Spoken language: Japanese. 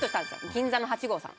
銀座の八五さん。